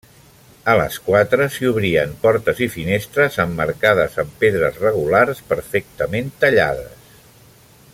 A les quatre s'hi obrien portes i finestres, emmarcades amb pedres regulars perfectament tallades.